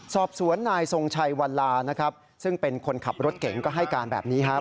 สอบสวนนายทรงชัยวันลานะครับซึ่งเป็นคนขับรถเก่งก็ให้การแบบนี้ครับ